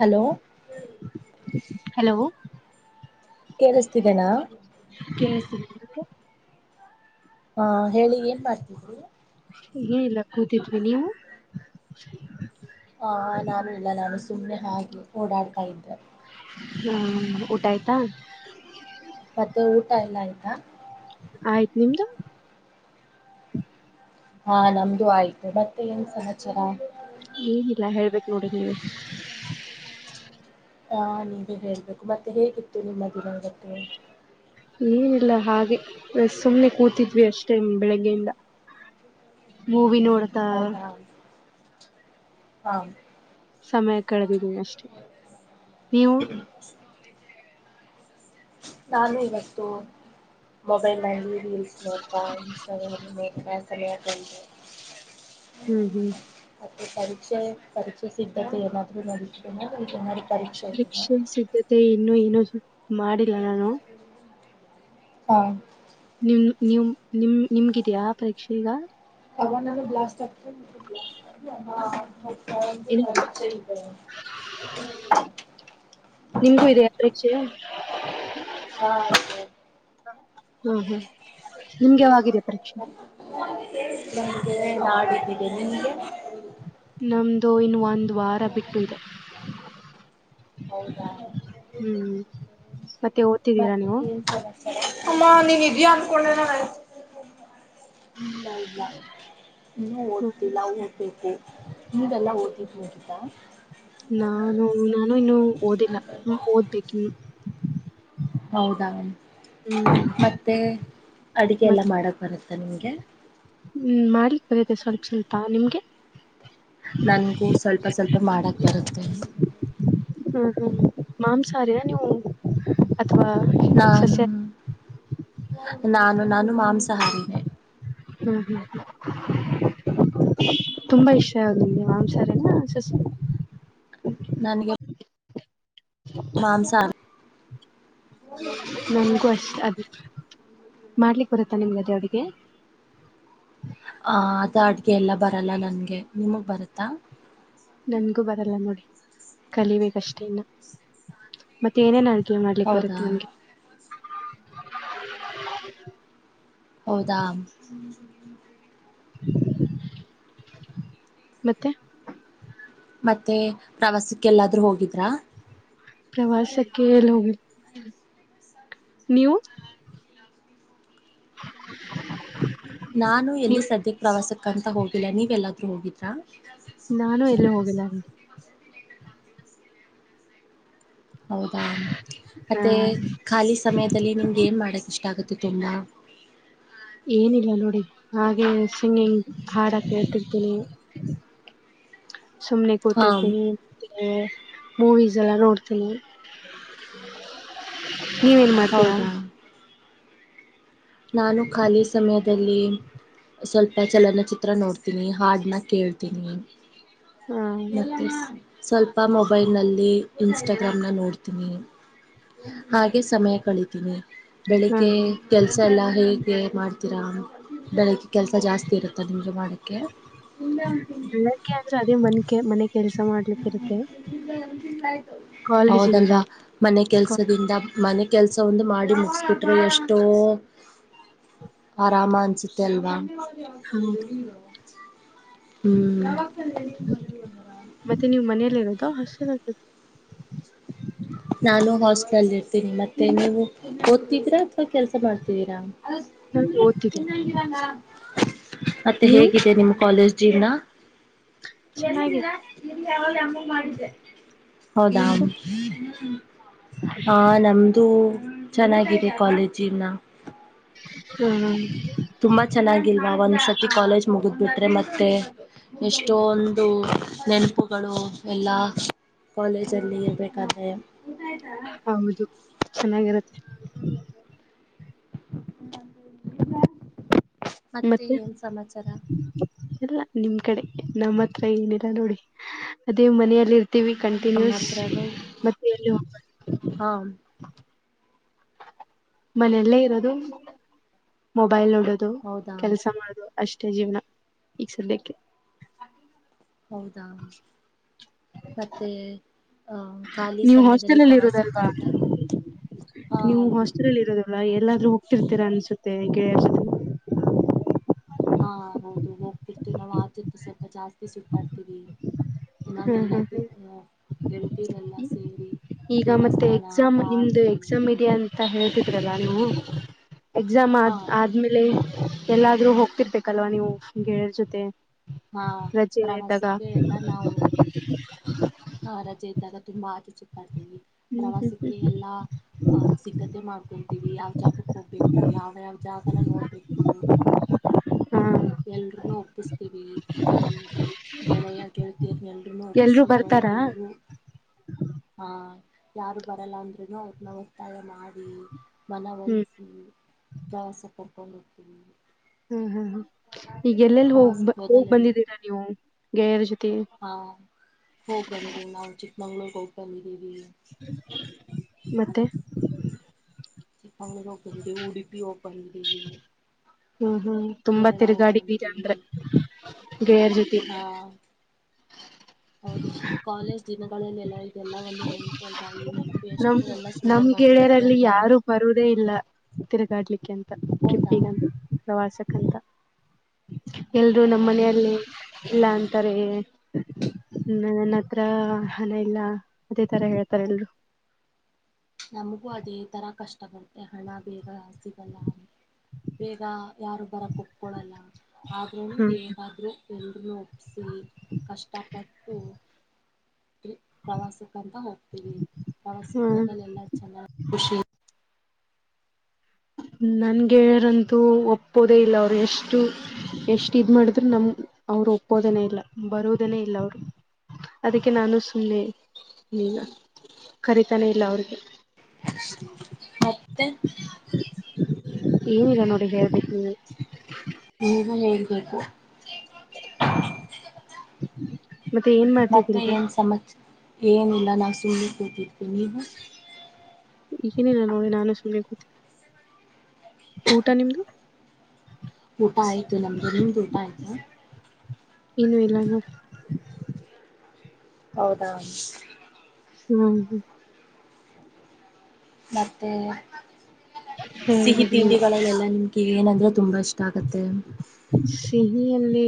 Hello hello ಕೇಳಿಸ್ತಿದೆೇನಾ ಕೆಸ ಹಾ ಹೇಳಿ ಏನ್ ಮಾಡ್ತಿದ ಏನಿಲ್ಲ ಕೂತಿದ್ವಿ ನೀವು ಆ ನಾನು ಇಲ್ಲ ನಾನು ಸುಮ್ಮನೆ ಹಾಗಿ ಓಡಾಡ್ತಾ ಇದ್ದೆ ಹ್ಮ ಊಟ ಆಯ್ತಾ ಮತ್ತೆ ಊಟ ಎಲ್ಲ ಆಯ್ತಾ ಆಯ್ತ್ ನಿಮ್ದು ಹಾ ನಮ್ದು ಆಯ್ತು ಮತ್ತೆ ಏನ್ ಸಹಚರ ಏನಿಲ್ಲಾ ಹೇಳ್ಬೇಕಕ್ ನೋಡಿ ನೀವು ಹಾ ನೀವೇ ಹೇಳ್ಬೇಕು ಮತ್ತೆ ಹೇಗಿತ್ತು ನಿಮ್ಮ ದಿನದಕ್ಕೆ ಏನಿಲ್ಲ ಹಾಗೆ ಸುಮ್ನೆ ಕೂತಿದ್ವಿ ಅಷ್ಟೈಮ್ ಬೆಳಿಗ್ಗೆಯಿಂದ ಮೂವಿನೋಡ್ ಹೌದಾ ಹಾ ಸಮಯ ಕಳೆದಿದ್ದೀನಿ ಅಷ್ಟೆ ನೀವು ಹ ನಾನು ಇವತ್ತು ಮೊಬೈಲ್ ನಲ್ಲಿ ರೀಲ್ ನೋ ಮ ಸರಿ [unintelligible] ಹ್ಮ್ ಹ್ಮ್ ಮತ್ತೆ ಪರೀಕ್ಷೆ ಪರೀಕ್ಷೆ ಸಿದ್ಧತೆ ಏನಾದ ನೋಡ ಈಗನ ಪರೀಕ್ಷೆ ಇದ ಜೊತೆ ಇನ್ನು ಏನು ಸ ಮಾಡಿಲ್ಲ ನಾನು ಹಾ ನಿಮ್ ನೀವು ನಿಮ ನಿಮ್ಗಿದ್ಯಾ ಪರೀಕ್ಷೆ ಈಗ ತಗ ನಾನು ಬ್ಲಾಸ್ತ ನಂದು ಏನದು? ಕತ ನಿಮ್ಗೂ ಇದೆಯಾ ಪರೇಕ್ಷೆ ಹಾ ಹ್ಮ್ ಹ್ಮ್ ನಿಮ್ಗೆ ಯಾವಾಗಿದೆ ಪರೀಕ್ಷೆ ನಮಗೆನೆಲ್ಲ ಆಡದ್ದೇನೆ ನಿಮಗೆ ನಮ್ದು ಇನ್ನು ಒಂದು ವಾರ ಬಿಟ್ಟು ಇದೆ ಹೌದಾ ಹ್ಮ್ ಮತ್ತೆ ಓದ್ತಿದ್ದೀರಾ ಮತ್ತೆ ನೀವು ಏನ್ ಸಮಸ ಅಮ್ಮ ನೀ ನಿಜ ಅನ್ಕೊಳ್ಳ ನೀೂ ಹ್ಮ ಓದ್ತ ನಾವು ಓದ್ಬೇಕೇತಿ ನೀವೆಲ್ಲ ಓದಿದ್ದು ನಟ್ಟಿದ್ದ ನಾನು ನಾನು ಇನ್ನು ಓದಿಲ್ಲ ಹ ಓದ್ಬೇಕ ಇನ್ನು ಹೌದಾ ಹ್ಮ್ ಮತ್ತೆ ಅಡುಗೆ ಎಲ್ಲ ಮತ್ತೆ ಮಾಡಕ್ಕೆ ಬರುತ್ತೆ ನಿಮಗೆ ಹ್ಮ್ ಮಾಡ್ಲಿಕ್ ಬರತೆ ಸ್ವಲ್ಪ ಸ್ವಲ್ಪ ನಿಮ್ಗೆ ನನ್ಗೂ ಸ್ವಲ್ಪ ಸ್ವಲ್ಪ ಮಾಡಕ್ ಬರುತ್ತೆ ಹ ಹ್ಮ ಮಾಂಸಾರಿಯ ನೀವು ಅಥವಾ ನಾನು ಸಸ್ಯ ನಾನು ನಾನು ಮಾಂಸಹಾರಿ ಹ್ಮ್ ಹ್ಮ್ ತುಂಬಾ ಇಷ್ಟ ಮಾಂಸಹಾರಿ ಸಸ್ಯ ನನಗೆ ಮಾಂಸಾ ನನ್ಗೂ ಅಷ್ಟ ಅದ ಮಾಡ್ಲಿಕ್ಕೆ ಬರುತ್ತಾ ನಿಮ್ಗದೇ ಅವಿಗೆ ಆ ಅದು ಅಡ್ಗೆ ಎಲ್ಲ ಬರಲ್ಲ ನನ್ಗೆ ನಿಮಗ್ ಬರತ್ತಾ ನನ್ಗೂ ಬರಲ್ಲ ನೋಡಿ ಕಲಿಬೇಕಷ್ಟೇ ಇನ್ನು ಮತ್ತೆ ಏನ್ ಅಡಗೆ ಮಾಡ್ಲಿಕ್ ಹೌದಾ ಬರುತ್ತೆ ನಮಗೆ ಹೌದಾ ಮತ್ತೆ ಮತ್ತೆ ಪ್ರವಾಸಕ್ಕೆ ಎಲ್ಲಾದ್ರೂ ಹೋಗಿದ್ರಾ ಪ್ರವಾಸಕ್ಕೆ ಎಲ್ಲಿ ಹೋಗ ನೀವು [inaudible] ನಾನು ಎಲ್ಲಿ ನೀವು ಸದ್ಯಕ್ ಪ್ರವಾಸಕ್ಕಂತ ಹೋಗಿಲ್ಲ ನೀವ್ ಎಲ್ಲಾದ್ ಹೋಗಿದ್ರ ನಾನು ಎಲ್ಲ ಹೋಗಿಲ್ಲ ಹೌದಾ ಹಾ ಮತ್ತೆ ಖಾಲಿ ಸಮಯದಲ್ಲಿ ನಿಮ್ಗೆ ಏನ್ ಮಾಡಕ್ ಇಷ್ಟ ಆಗುತ್ತೆ ತುಂಬಾ ಏನಿಲ್ಲ ನೋಡಿ ಹಾಗೆ ಸಿಂಗಿಂಗ್ ಹಾಡ ಕೇಳ್ತಿದ್ದೀನಿ ಸುಮ್ನೆ ಹಾ ಕೂತಿರ್ತೀನಿ ಮೂವೀಸ್ ಎಲ್ಲ ನೋಡ್ತೀವಿ ನೀವೇನ್ ಮಾಡ್ತೀರಾ ಹೌದಾ ನಾನು ಖಾಲಿ ಸಮಯದಲ್ಲಿ ಸ್ವಲ್ಪ ಚಲನಚಿತ್ರ ನೋಡ್ತೀನಿ ಹಾರ್ಡ್ ನಾಗ ಕೇಳ್ತೀನಿ ಹ ಮತ್ತೆ ಸ್ವಲ್ಪ ಮೊಬೈಲ್ ನಲ್ಲಿ ಇನ್ಸ್ಟಾಗ್ರಾಮ್ ನ ನೋಡ್ತ ಹಾಗೆ ಸಮಯ ಕಳಿತೀನಿ ಹ ಬೆಳಿಗ್ಗೆ ಕೆಲ್ಸ ಸ ಎಲ್ಲ ಹೇಗೆ ಮಾಡ್ತೀರಾ ಬೆಳಗ್ಗೆ ಕೆಲಸ ಜಾಸ್ತಿ ಇರುತ್ತೆ ತಲಿಂಗ ಮಾಡಾಡಕ್ಕೆ ಬೆಳಗ್ಗೆ ಅಂದ್ರೆ ಅದೇ ಮನ್ಗೆ ಮನೆಗೆ ಕೆಲಸ ಮಾಡ ಕಾಲೇಜ್ ಹೌದಲ್ವಾ ಇಲ್ದಾಗ ಮನೆ ಕೆಲ್ಸದಿಂದ ಮನೆ ಕೆಲ್ಸ ಒಂದು ಮಾಡಿ ಮುಗಸ್ಕಿಟ್ರಿ ಎಷ್ಟೋ ಆರಾಮನ್ಚ ತಲ್ವಾ ಹೌದು ಹ್ಮ್ ಮತ್ತೆ ನೀವು ಮನಲಿ ಇರೋದು ಹಸನ್ಗದೆ ನಾನು ಹಾಸ್ಟೆಲ್ ಅಲ್ ಇರ್ತೀನಿ ಮತ್ತೆ ನೀವು ಓದ್ತಿದೀರಾ ಅಥವಾ ಕೆಲ್ಸ ಮಾಡ್ತಿದ್ದೀರಾ ನಾನು ಓದ್ತಿದ್ದೀನಿ ಮತ್ತೆ ನೀವು ಹೇಗಿದೆ ನಿಮ್ಮ ಕಾಲೇಜ್ ಜೀವನ ಚೆನ್ನಾಗಿದೆ ಹೌದಾ ನಿಮ್ದು ಹ ನಮ್ದು ಚೆನ್ನಾಗಿದೆ ಕಾಲೇಜಿನ ಹ್ಮ ತುಂಬಾ ಚೆನ್ನಾಗಿಲ್ವಾ ಒಂದ್ಸತಿ ಕಾಲೇಜ್ ಮುಗುದ್ ಬಿಟ್ರೆ ಮತ್ತೆ ಎಷ್ಟೋ ಒಂದು ನೆನಪುಗಳು ಎಲ್ಲಾ ಕಾಲೇಜಲ್ಲಿ ಇರಬೇಕಾದ ಹೌದು ಚೆನ್ನಾಗಿರತ್ತೆ [unintelligible] [inaudible] ಮತ್ತೆ ಏನ್ ಸಮಾಚಾರ ಎಲ್ಲ ನಿಮ್ ಕಡೆ ನಮ್ಮ ಹತ್ರ ಏನಿಲ್ಲ ನೋಡಿ ಅದೇ ಮನೆಯಲ್ಲಿರ್ತ ನಮ್ಮ ಕಂಟಿನ್ಯೂಸ್ ಹತ್ರನು ಮತ್ತೆ ಎಲ್ಲಿ ಹೋಗ್ಬ ಹಾ ಮನೆಯಲ್ಲೇ ಇರೋದು ಮೊಬೈಲ್ ನೋಡೋದು ಹೌದಾ ಕೆಲ್ಸ ಮಾಡುದು ಅಷ್ಟೇ ಜೀವನ ಈಗ ಸದ್ಯಕ್ಕೆ ಹೌದಾ ಮತ್ತೆ ಅಹ ಖಾಲಿ ನೀವು ಸಮಯದಲ್ಲಿ ಹಾಸ್ಟೆಲ್ಲ್ ಇರೋದಲ್ವಾ ಪ್ರವಾಸಕ್ಕಂತ ಹಾ ನೀವು ಹೌದು ಹಾಸ್ಟೆಲ್ಲ್ಇರೋದಲ್ ಎಲ್ಲಾದ್ರೂ ಹೋಗಟ್ಟಿರ್ತೀರ ಅನ್ಸುತ್ತೆಗೆ ಹಾ ಹೌದು ಹೋಗ್ತಿರ್ತೀವಿ ನಾವು ಆತ್ತು ಸ್ವಲ್ಪ ಜಾಸ್ತಿ ಸುಟ್ಟಾಡ್ತೀವಿ ಹ್ಮ್ ನಾವೆಲ್ಲ ಹ್ಮ್ ಹ್ಮ್ ಗೆಳತರೆಲ್ಲ ಸೇರಿ ಈಗ ಮತ್ತೆ ದೇವಸ್ಥಾನ ಎಕ್ಸಾಮ್ ನಿಮ್ದು ಪಾರ್ಕು ಎಕ್ಸಾಮ್ ಇದೆ ಅಂತ ಹೇಳ್ತಿದ್ರಲ್ಲ ನೀ ಎಕ್ಸಾಮ್ ಹಾ ಆದ್ ಆದ್ಮೇಲೆ ಎಲ್ಲಾದ್ರೂ ಹೋಗ್ತಿರ್ಬೇಕಲ್ವಾ ನೀವುಗೆಳರ್ ಜೊತೆ ಹಾ ಪ್ರವಾಸಕ್ಕೆ ಎಲ್ಲ ನಾವು ತಿ [unintelligible] ಹಾ ರಜೆ ಇದ್ದಾಗ ತುಂಬಾ ಆಚೆ ಚುತಾಡ್ತಿವಿ ಹ್ಮ್ ಹ್ಮ್ ಪ್ರವಾಸಕ್ಕೆ ಹ್ಮ್ ಎಲ್ಲಾ ಅ ಸಿದ್ಧತೆ ಮಾಡ್ಕೊಂತೀವಿ ಯಾವ್ ಜಾಗಕ್ ಹೋಗ್ಬೇಕು ಯಾವ ಯಾವ್ ಜಾಗನ ನೋಡ್ಬೇಕು [unintelligible] ಹ್ಮ್ ಎಲ್ರೊನು ಒಪ್ಪಿಸ್ತೀವಿ ನಮ. ಗೆಳೆಯ ಗೆಳತೀ ಎಲ್ರೂನು ಎಲ್ರೂ ಒಪ್ಸೀ ಬರ್ತಾರಾ [unintelligible] ಹಾ ಯಾರು ಬರಲ್ಲ ಅಂದ್ರನು ಅವರನಾ ಒತ್ತಾಯ ಮಾಡಿ. ಹ್ಮ್ ಮನವಲಿಸಿ ಪ್ರವಾಸ ಕರ್ಕೊಂಡು ಹೋಗ್ತೀವಿ. ಹ್ಮ್ ಹ್ಮ್ ಹ್ ಈಗ ಎಲ್ಲೆಲ್ಲಿ ಹೋಗ್ ಪ್ರವಾಸಕ್ಕೆ ಹೋಗ್ ಹೋದಲೆಲ್ಲ ಬಂದಿದ್ದೀರಾ ನೀವು ಗೆಳೆಯರ ಜೊತಿ. ಹಾ ಹೋಗ್ ಬಂದಿದ್ದೀವಿ ನಾವು ಚಿಕ್ಕಮಗಂಳೂರು ಹೋಗಿ ಬಂದಿದ್ದೀವಿ. ಮತ್ತೆ. ಚಿಕ್ಕಮಗಂಳೂರ ಹೊಗಬಂದ್ದಿದಿವಿ ಉಡುಪಿ ಹೊಗಬಂದ್ದಿದಿವಿ ಹ್ಮ್ ಹ್ಮ್ ತುಂಬಾ ತಿರ್ಗಾಡಿದೀರ ಬಂದಿದ್ದೀವಿ ಅಂದ್ರೆ ಗೇಳಯರ ಜೊತಿ. ಹಾ ಹೌದು ಕಾಲೇಜ್ ದಿನಗಳಲ್ಲಿ ಎಲ್ಲಾ. ಎಲ್ಲಾ ಒಂದು ನೆನಪು ಅಲ್ವಾ ಈ ನೆನಪು ನಮ್ ಎಷ್ಟು ಎಲ್ಲ ನಮ್ ಸುಂದರವಾಗಿರುತ್ತೆ ಗೆಳೆಯರಲ್ಲಿ ಅಲ್ವಾ. ಯಾರು ಬರುದೇ ಇಲ್ಲ ತಿರುಗಾಡ್ಲಿಕ್ಕೆ ಅಂತ ಹೌದಾ ಟ್ರಿಪ್ಗ ಪ್ರವಾಸಕ್ಕಂತ. ಎಲ್ರೂ ನಮ್ಮ ನೀವು ಮನೆಯಲ್ಲಿ. ಇಲ್ಲ ಅಂತಾರೆ ನನ್ನ ಹತ್ರ ಹಣ ಇಲ್ಲಾ. ಅದೇ ತರ ಹೇಳ್ತಾರೆ ಎಲ್ರು. ನಮಗೂ ಅದೇ ತರ ಕಷ್ಟ ಬರುತ್ತೆ ಹಣ ಬೇಗ. ಸಿಗಲ್ಲ ಬೇಗ ಯಾರು ಬರಕ ಒಪ್ಕೊಳ್ಳಲ್ಲ ಆದ್ರೂ ಹ್ಮ್ ಹೇ ಳಿ ಎಲ್ರೂನು ಒಪ್ಪಿಸಿ ಕಷ್ಟಪಟ್ಟು. ಪ್ರವಾಸಕ್ ಅಂತ ಹೋಗ್ತೀವಿ ಪ್ರವಾಸಕ್ ಹ್ಮ್ ಹೋದಲ್ ಎಲ್ಲ ಚೆನ್ನಾಗಿ ಖುಷಿ. ನನಗೆ ಅವರ ಅಂತೂ ಒಪ್ಪೋದೇ ಇಲ್ಲ ಅವ್ರು ಎಷ್ಟು. ಎಷ್ಟ್ ಇದ್ ಮಾಡಿದ್ರರು ನಮ್ ಅವ್ರು ಒಪ್ಪೋದನೆೇ ಇಲ್ಲ ಬರೋದನೆೇ ಇಲ್ಲ ಅವ್ರು. ಅದಕ್ಕೆ ನಾನು ಸುಮ್ಮನೆ ಇಲ್ಲಾ ಕರಿತಾನೆ ಇಲ್ಲ ಅವ್ರಿಗೆ. ಮತ್ತೆ. ಏನಿಲ್ಲಾ ನೋಡಿ ಹೇಳಬೇಕ ನೀವೇ. ನೀವು ಹೇಳ್ಬೇಕು. ಮತ್ತೆ ಏನ್ ಮಾಡ್ತಿದ್ರಿ ಮತ್ತೆ ಏನ್ ಸಮಾಚಾರ ಏನಿಲ್ಲ ನಾವು ಸುಮ್ನೆ ಕೂತಿದ್ವಿ ನೀವು. ಈಗೇನ ಇಲ್ಲಾ ನೋಡಿ ನಾನು ಸುಮ್ಮನೆ ಕೂತಿದೆ. ಊಟ ನಿಮ್ದು. ಊಟ ಆಯತು ನಮ್ಮ್ದ ನಿಮ್ದು ಊಟ ಆಯ್ತಾ. ಇನ್ನು ಇಲ್ಲ ನೋಡಿ. ಹೌದಾ ಹ್ಮ್ ಹ್ಮ್ ಮತ್ತೆ ಸಿಹಿ ಹೇಳ್ಬೇಕು ನೀವೆ ತಿಂಡಿಗಳಲ್ಲೆಲ್ಲ ನಿಮ್ಗೆ ಏನಂದ್ರೆ ತುಂಬಾ ಇಷ್ಟ ಆಗತ್ತೆ. ಸಿಹಿಯಲ್ಲಿ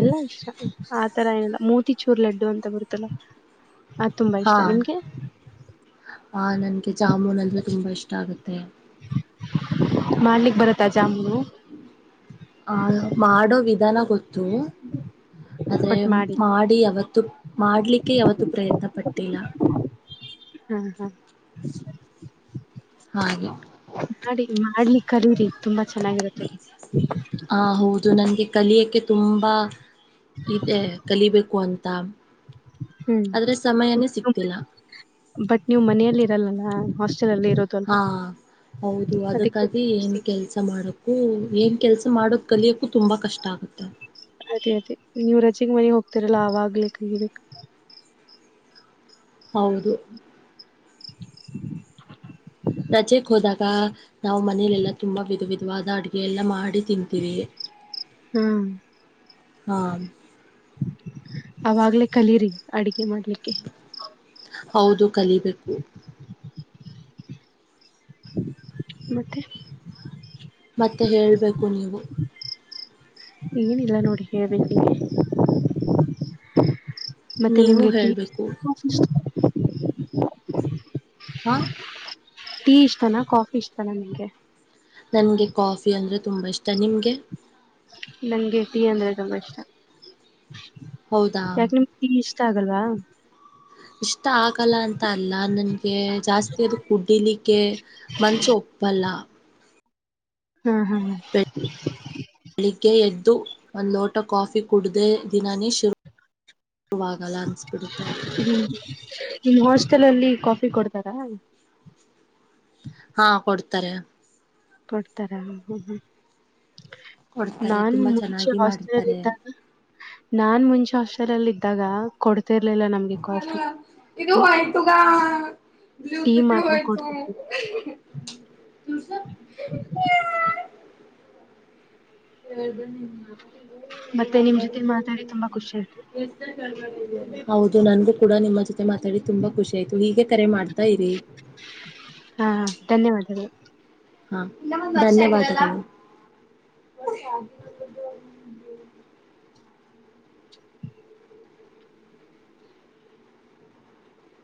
ಎಲ್ಲಾ ಇಷ್ಟ ಆತರ ಏನಿಲ್ಲಾ ಮೋತಿಚೂರ್ ಲಡ್ಡು ಅಂತ ಬರುತ್ತಲ್ಲ. ಅದ ತುಂಬಾ ಇಷ್ಟ ಹಾ ನಿಮ್ಗೆ. ಆ ನನ್ಗೆ ಜಾಮೂನ್ ಅಂದ್ರೆ ತುಂಬಾ ಇಷ್ಟ ಆಗುತ್ತೆ. ಮಾಡಲಿಕ್ ಬರುತ್ತಾ ಜಾಮೂನು. ಆ ಮಾಡೋ ವಿಧಾನ ಗೊತ್ತು. ಆದ್ರೆ ಮಾಡಿ ಯಾವತ್ತು ಮಾಡ್ಲಿಕ್ಕೆ ಯಾವತ್ತು ಪ್ರಯತ್ನ ಪಟ್ಟಿಲಾ. ಹ್ಮ್ ಹ್ಮ್ ಹಾಗೆ. ಮಾಡಿ ಮಾಡ್ಲಿಕ ಕಲೀರಿ ತುಂಬಾ ಚೆನ್ನಾಗಿರುತ್ತೆ. ಆ ಹೌದು ನನ್ಗೆ ಕಲಿಯಕ್ಕೆ ತುಂಬಾ. ಇದೆ ಕಲಿಬೇಕು ಅಂತ ಹ್ಮ್ ಆದ್ರೆ ಸಮಯನೇ ಸಿಕ್ತಿಲ್ಲ ಬಟ್ ನೀವು ಮನೆಯಲ್ಲಿ ಇರಲ್ಲಲ್ಲ ಹಾಸ್ಟೆಲ್ ಅಲ್ಲಿ ಇರ ಹಾ ಹೌದು ಅದಕ್ಕಾಗಿ ನ್ ಕೆಲಸ ಮಾಡೋಕ್ಕೂ ಏನು ಕೆಲಸ ಮಾಡೋದು ಕಲಿಯೋಕ್ಕು ತುಂಬ ಕಷ್ಟ ಆಗುತ್ತೆ ಅದೇ ಅದೇ ನೀವ ರಜೆಗೆ ಮನೆಗೆ ಹೋಗ್ತರಲ್ಲ ಆಗ್ಲಿ ಕಬೇಕಕ್ ಹೌದು ರಜೆಕ್ ಹೋದಾಗ ನಾವು ಮನೇಲೆಲ್ಲಾ ತುಂಬಾ ವಿಧ ವಿಧವಾದ ಅಡಗೆ ಎಲ್ಲಾ ಮಾಡಿ ತಿವಿ ಹ್ಮ ಹಾ ಅವಾಗ್ಲೇ ಕಲೀರಿ ಅಡಗೆ ಮಾಡ್ಲಿಕ್ಕೆ ಹೌದು ಕಲಿಬೇಕು ಮತ್ತೆ ಮತ್ತೆ ಹೇಳಬೇಕು ನೀವು ಏನಿಲ್ಲ ನೋಡಿ ಹೇಳ್ಬೇಕು ನೀವೇ ಮತ್ತೆ ನೀವು ನಿಮ್ಗೆ ಟೀ ಹೇಳ್ಬೇಕು ಹಾ ಟೀ ಇಷ್ಟತಾನ ಕಾಫಿ ಇಷ್ಟತಾನ ನಿಂಗೆ ನನಗೆ ಕಾಫಿ ಅಂದರೆ ತುಂಬ ಇಷ್ಟ ನಿಮಗೆ ನಂಗೆ ಟೀ ಅಂದ್ರೆ ತುಂಬಾ ಇಷ್ಟ ಹೌದಾ ಯಾಕಮ ಟಿ ಇಷ್ಟ ಆಗಲ್ವಾ ಇಷ್ಟ ಆಗಲ್ಲ ಅಂತ ಅಲ್ಲ ನನಗೆ ಜಾಸ್ತಿ ಅದು ಕುಡಿಲಿಕ್ಕೆ ಮನಸ ಒಪ್ಪಲ್ಲ ಹ್ಮ್ ಹ್ಮ್ ಹ ಬೆಳಿಗ್ಗೆ ಎದ್ದು ಒಂದು ಲೋಟ ಕಾಫಿ ಕುಡ್ದ ದಿನನ ಶುರು ಗಳ ಅನ್ಸ್ಬಿಡುತ್ತಾ ಹ್ಮ್ ನಿಮ್ಮ್ ಹಾಸ್ಟೆಲ್ ಅಲ್ಲಿ ಕಾಫಿ ಕೊಡ್ತಾರಾ ಹಾ ಕೊಡ್ತಾರೆ ಕೊಡ್ತಾರ ಹ್ಮ್ ಹ್ಮ್ ಕೊಡ್ತಾರೆ ನಾನ್ ತುಂಬಾ ಮುಂಚೆ ಚೆನ್ನಾಗಿ ಹಾಸ್ಟೆಲ್ಲ್ ಮಾಡಿರ್ತಾರೆ ಇದ್ದಾಗ ನಾನ್ ಮುಂಚೆ ಹಾಸ್ಟೆಲ್ ಅಲ್ಲಿ ಇದ್ದಾಗ ಕೊಡ್ತಿರ್ಲಿಲ್ಲ ನಮ್ಗೆ ಕಾಫಿ ಅ ಇದು ಒತಗ [unintelligible] ಟೀ ಬತ ಮಾತ್ರ ಹೊಯತ ಕೊಡ್ತಿದ್ವಿ ತಸ [unintelligible] ಹ ಹೇಳ್ದ ನಿಮ ಮತ್ತೆ ನಿಮ್ ಜೊತೆ ಮಾತಾಡಿ ತುಂಬಾ ಖುಷಿ ಆಯತು ಹೌದು ನನ್ಗೂ ಕೂಡ ನಿಮ್ಮ ಜೊತೆ ಮಾತಾಡಿ ತುಂಬಾ ಖುಷಿ ಆಯ್ತು ಹೀಗೆ ಕರೆ ಮಾಡ್ತಾ ಇರಿ ಹಾ ಧನ್ಯವಾದಗಳು ಹಾ ಧನ್ಯವಾದಗಳು